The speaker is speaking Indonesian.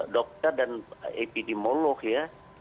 dokter dan epidemiolog ya